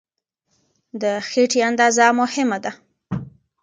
د خېټې اندازه مهمه ده.